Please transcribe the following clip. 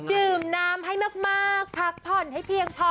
ดื่มน้ำให้มากพักผ่อนให้เพียงพอ